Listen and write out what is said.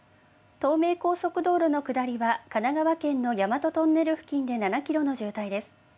東名高速道路の下りは、神奈川県の大和トンネル付近で７キロの渋滞です。